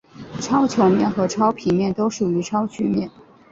超球面和超平面都属于超曲面。